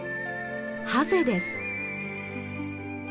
ハゼです。